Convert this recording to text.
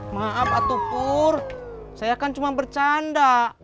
maaf atu pur saya kan cuma bercanda